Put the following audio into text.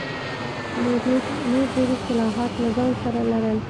نور ډېر اصلاحات له ځان سره لرل.